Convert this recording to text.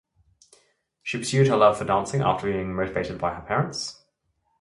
She pursued her love for dancing after being motivated by her parents.